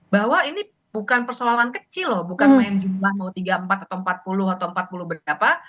bahwa ini bukan persoalan kecil loh bukan main jumlah mau tiga puluh empat atau empat puluh atau empat puluh berapa